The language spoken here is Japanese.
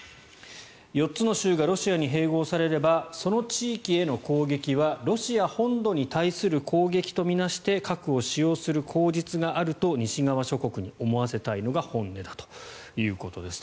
４つの州がロシアに併合されればその地域への攻撃はロシア本土に対する攻撃と見なして核を使用する口実があると西側諸国に思わせたいのが本音だということです。